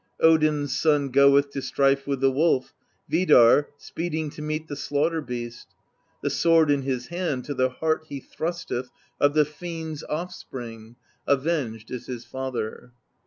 Odin's son goeth to strife with the Wolf, — Vidarr, speeding to meet the slaughter beast; The sword in his hand to the heart he thrusteth Of the fiend's offspring; avenged is his Father.